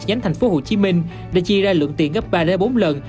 nhánh tp hcm đã chia ra lượng tiền gấp ba bốn lần